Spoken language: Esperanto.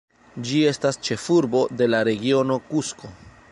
Ĝi estas ĉefurbo de la Regiono Kusko.